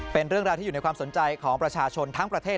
เป็นเรื่องราวที่อยู่ในความสนใจของประชาชนทั้งประเทศ